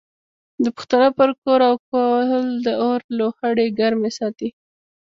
د پښتنو پر کور او کهول د اور لوخړې ګرمې ساتي.